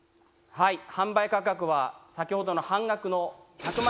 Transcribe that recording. はい販売価格は先ほどの半額の。